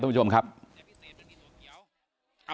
ดูวุบรรยากาศขนาดครบ